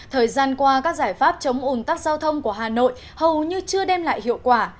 thời gian qua các giải pháp chống ủn tắc giao thông của hà nội hầu như chưa đem lại hiệu quả